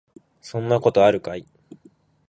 そんなことあるかい